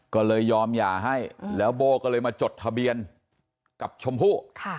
ก็เลยยอมหย่าให้แล้วโบ้ก็เลยมาจดทะเบียนกับชมพู่